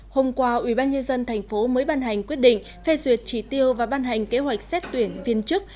hôm qua ubnd thành phố mới ban hành quyết định phê duyệt trí tiêu và ban hành kế hoạch xét tuyển viên chức